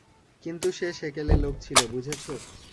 কিন্তু সে সেকেলে লোক ছিল, বুঝেছো?